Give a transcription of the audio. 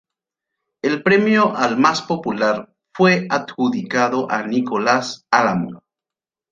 El premio al más popular fue adjudicado a Nicolás Álamo.